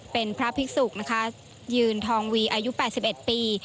เป็นพระภิกษุนะคะยืนทองวีอายุ๘๑ปี